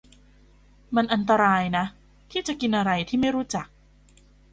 มันอันตรายนะที่จะกินอะไรที่ไม่รู้จัก